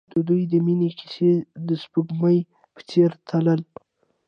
د دوی د مینې کیسه د سپوږمۍ په څېر تلله.